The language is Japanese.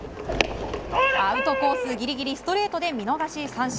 アウトコースギリギリストレートで見逃し三振。